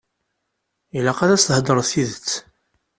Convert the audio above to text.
Ilaq ad as-theḍṛeḍ tidet.